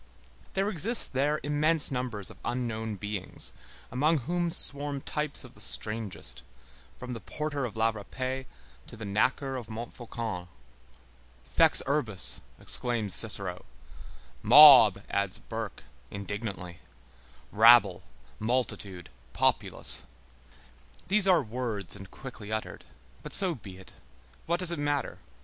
There exist there immense numbers of unknown beings, among whom swarm types of the strangest, from the porter of la Râpée to the knacker of Montfaucon. Fex urbis, exclaims Cicero; mob, adds Burke, indignantly; rabble, multitude, populace. These are words and quickly uttered. But so be it. What does it matter?